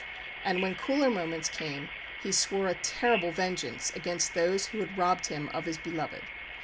And when cooler moments came, he swore a terrible vengeance against those who had robbed him of his beloved.